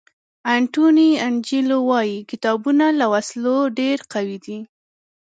انټوني انجیلو وایي کتابونه له وسلو ډېر قوي دي.